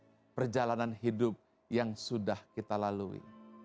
dalam perjalanan hidup yang sudah kita lalui